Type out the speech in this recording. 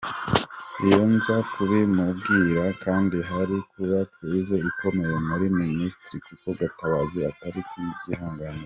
Iyo nza kubimubwira kandi hari kuba crise ikomeye muri ministère kuko Gatabazi atari kubyihanganira.